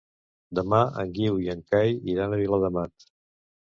Demà en Guiu i en Cai iran a Viladamat.